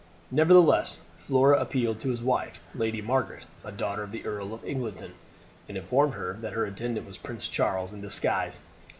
Nevertheless Flora appealed to his wife, Lady Margaret, a daughter of the Earl of Eglinton, and informed her that her attendant was Prince Charles in disguise.